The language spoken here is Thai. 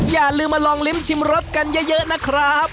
อย่าลืมมาลองลิ้มชิมรสกันเยอะนะครับ